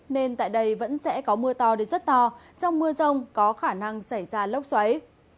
nên tại đây vẫn sẽ có mưa to đến rất to trong mưa rông có khả năng xảy ra lốc xoáy